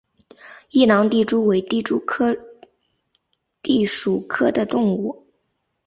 异囊地蛛为地蛛科地蛛属的动物。